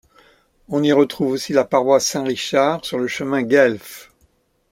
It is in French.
On y retrouve aussi la paroisse St-Richard, sur le chemin Guelph.